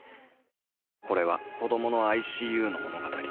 「これは子供のＩＣＵの物語」